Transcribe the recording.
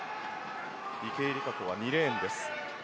池江璃花子は２レーンです。